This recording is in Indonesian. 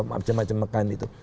macem macem makan gitu